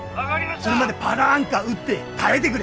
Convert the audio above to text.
それまでパラアンカー打って耐えでくれ。